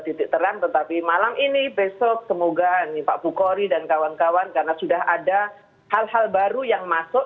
titik terang tetapi malam ini besok semoga pak bukori dan kawan kawan karena sudah ada hal hal baru yang masuk